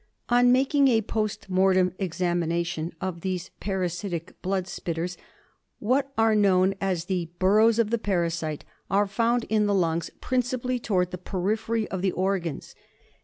On making a post mortem examination of these para sitic blood spitters, what are known as the burrows of the parasite are found in the lungs, principally towards the periphery of the organs.